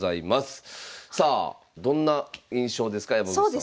さあどんな印象ですか山口さんは。